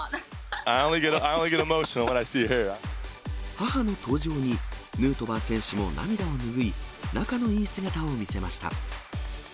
母の登場に、ヌートバー選手も涙を拭い、仲のいい姿を見せました。